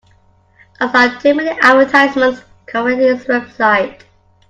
I saw too many advertisements covering this website.